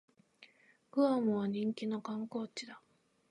グアムは人気の観光地だ